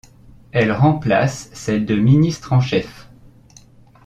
Elle remplace celle de ministre en chef.